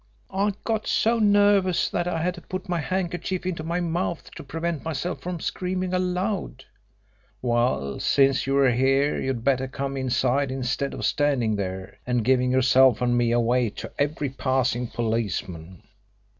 I got so nervous that I had to put my handkerchief into my mouth to prevent myself from screaming aloud." "Well, since you are here you had better come inside instead of standing there and giving yourself and me away to every passing policeman."